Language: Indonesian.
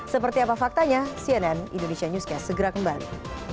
seperti apa faktanya cnn indonesia newscast segera kembali